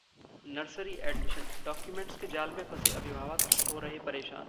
nursery admission: documents के जाल में फंसे अभिभावक, हो रहे परेशान